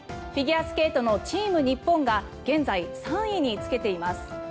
フィギュアスケートのチーム日本が現在、３位につけています。